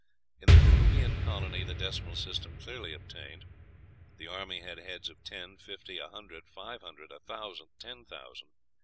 In the Peruvian colony the decimal system clearly obtained: "The army had heads of ten, fifty, a hundred, five hundred, a thousand, ten thousand....